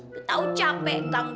ketau capek ganggu banget